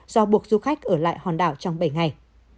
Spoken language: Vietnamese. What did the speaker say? do buộc du khách ở lại hòn đảo trong bảy ngày